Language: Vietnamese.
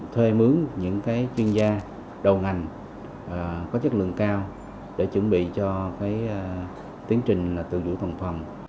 thuê mướn những cái chuyên gia đầu ngành có chất lượng cao để chuẩn bị cho cái tiến trình là tự chủ toàn phần